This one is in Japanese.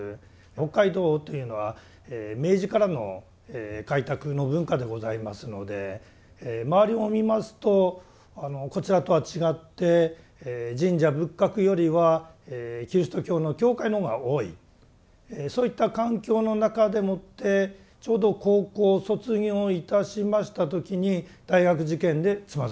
北海道というのは明治からの開拓の文化でございますので周りを見ますとこちらとは違って神社仏閣よりはキリスト教の教会のほうが多いそういった環境の中でもってちょうど高校を卒業いたしました時に大学受験でつまずきます。